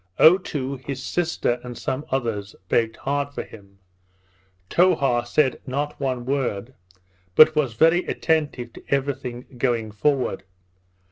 Otoo, his sister, and some others, begged hard for him; Towha said not one word, but was very attentive to every thing going forward.